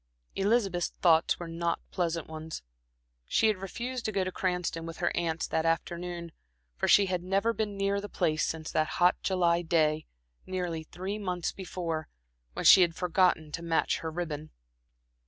Elizabeth's thoughts were not pleasant ones. She had refused to go to Cranston with her aunts that afternoon, for she had never been near the place since that hot July day, nearly three months before, when she had forgotten to match her ribbon.